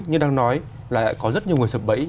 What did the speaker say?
như đang nói là lại có rất nhiều người sập bẫy